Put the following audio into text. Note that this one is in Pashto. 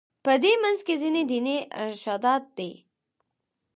په دې منځ کې ځینې دیني ارشادات دي.